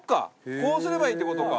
こうすればいいって事か。